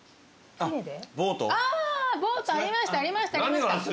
ボートありましたありました。